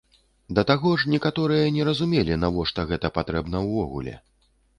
Да таго ж некаторыя не разумелі, навошта гэта патрэбна ўвогуле.